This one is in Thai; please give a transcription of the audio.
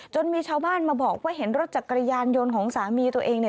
มีชาวบ้านมาบอกว่าเห็นรถจักรยานยนต์ของสามีตัวเองเนี่ย